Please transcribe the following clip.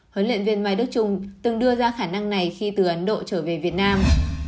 huấn luyện viên mai đức trung từng đưa ra khả năng này khi từ ấn độ trở về việt nam